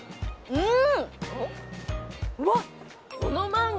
うん！